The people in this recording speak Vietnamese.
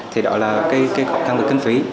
thì đó là cái khó khăn về kinh phí